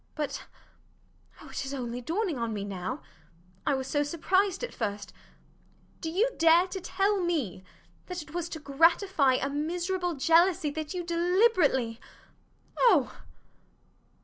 But oh, it is only dawning on me now I was so surprised at first do you dare to tell me that it was to gratify a miserable jealousy that you deliberately oh!